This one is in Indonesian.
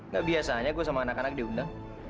gak biasanya gue sama anak anak diundang